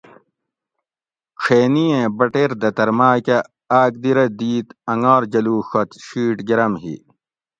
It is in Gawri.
ڄھینی ایں بٹیر دتر ماۤکہ آک دی رہ دِیت انگار جلوڛت شیٹ گرم ھی